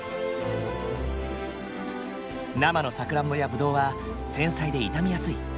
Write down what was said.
生のさくらんぼやぶどうは繊細で傷みやすい。